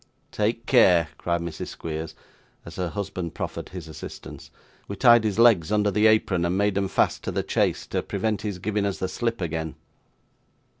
'Take care,' cried Mrs. Squeers, as her husband proffered his assistance. 'We tied his legs under the apron and made'em fast to the chaise, to prevent his giving us the slip again.